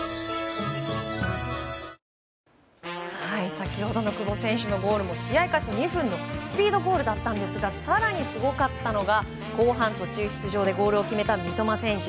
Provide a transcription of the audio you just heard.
先ほどの久保選手のゴールも試合開始２分のスピードゴールだったんですが更にすごかったのが後半途中出場でゴールを決めた三笘選手。